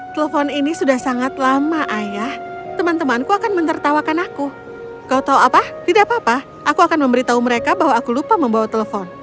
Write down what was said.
telepon ini sudah sangat lama ayah teman temanku akan mentertawakan aku kau tahu apa tidak apa apa aku akan memberitahu mereka bahwa aku lupa membawa telepon